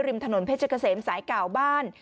ริมถนนเพชรเกษมสายเก่าบ้าน